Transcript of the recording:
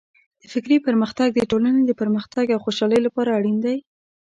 د فکري پرمختګ د ټولنې د پرمختګ او خوشحالۍ لپاره اړین دی.